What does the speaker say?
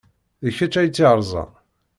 D kečč ay tt-yerẓan?